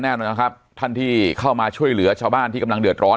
แน่นอนนะครับท่านที่เข้ามาช่วยเหลือชาวบ้านที่กำลังเดือดร้อน